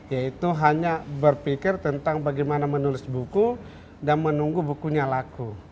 yaitu hanya berpikir tentang bagaimana menulis buku dan menunggu bukunya laku